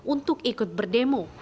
untuk ikut berdemo